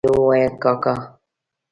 هغې وويل کاکا.